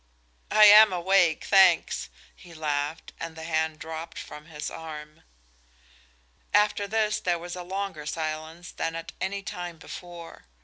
"I am awake, thanks," he laughed, and the hand dropped from his arm. After this there was a longer silence than at any time before.